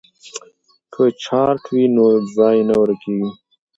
که چارت وي نو ځای نه ورکیږي.